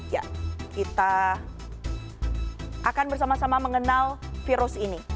ya kita akan bersama sama mengenal virus ini